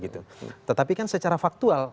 tetapi kan secara faktual